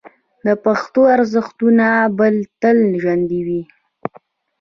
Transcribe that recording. د پښتنو ارزښتونه به تل ژوندي وي.